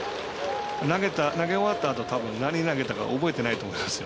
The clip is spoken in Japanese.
投げ終わったあと何投げたかを覚えてないと思いますよ。